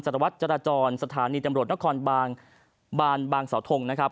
สารวัตรจราจรสถานีตำรวจนครบานบางสาวทงนะครับ